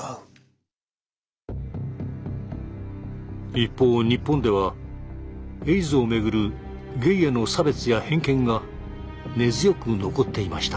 一方日本ではエイズをめぐるゲイへの差別や偏見が根強く残っていました。